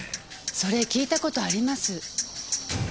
それ聞いた事あります。